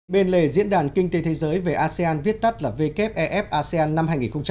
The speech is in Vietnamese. bên lề diễn đàn kinh tế thế giới về asean viết tắt là wef asean năm hai nghìn hai mươi